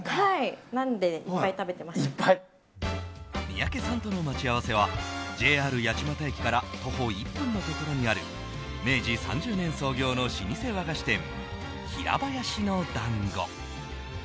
三宅さんとの待ち合わせはＪＲ八街駅から徒歩１分のところにある明治３０年創業の老舗和菓子店平林のだんご。